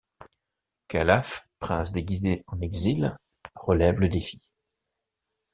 Kalaf, prince déguisé en exil, relève le défi.